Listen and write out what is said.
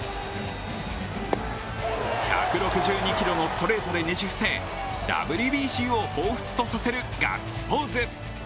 １６２キロのストレートでねじ伏せＷＢＣをほうふつとさせるガッツポーズ。